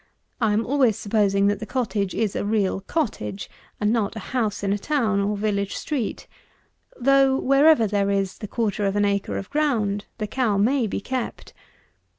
I am always supposing that the cottage is a real cottage, and not a house in a town or village street; though, wherever there is the quarter of an acre of ground, the cow may be kept.